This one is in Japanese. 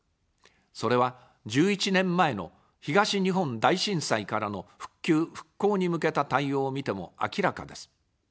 それは、１１年前の東日本大震災からの復旧・復興に向けた対応を見ても明らかです。